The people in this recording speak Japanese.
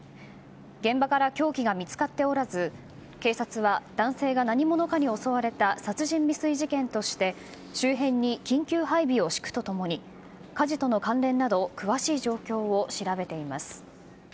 現場から凶器が見つかっておらず警察は、男性が何者かに襲われた殺人未遂事件として周辺に緊急配備を敷くと共に火事との関連など詳しい状況を調べています。